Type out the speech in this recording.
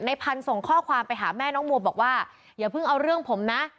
พันธุ์ส่งข้อความไปหาแม่น้องมัวบอกว่าอย่าเพิ่งเอาเรื่องผมนะ